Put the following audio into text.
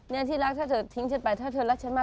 นี่ที่รักถ้าเธอทิ้งฉันไปถ้าเธอรักฉันมาก